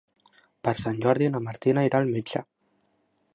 Per Sant Jordi na Martina irà al metge.